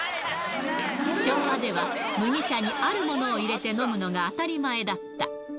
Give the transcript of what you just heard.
昭和では麦茶にあるものを入れて飲むのが当たり前だった。